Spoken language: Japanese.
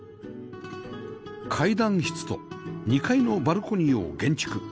階段室と２階のバルコニーを減築